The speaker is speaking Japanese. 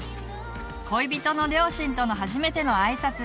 恋人の両親との初めての挨拶。